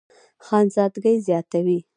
خانزادګۍ زياتوي